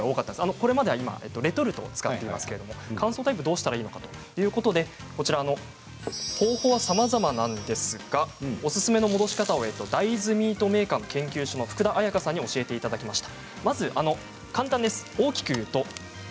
これまではレトルトを使っていますが乾燥タイプどうしたらいいのか方法はさまざまなんですがおすすめの戻し方を大豆ミートメーカー研究所の福田彩香さんに教えていただきました。